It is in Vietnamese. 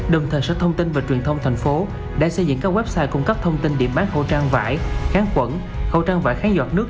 đồng thời sở thông tin và truyền thông thành phố đã xây dựng các website cung cấp thông tin điểm bán khẩu trang vải kháng khuẩn khẩu trang vải kháng giọt nước